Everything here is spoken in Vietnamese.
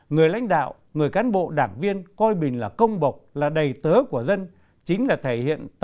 người lãnh đạo người cán bộ đảng viên coi mình là công bọc là đầy tớ của dân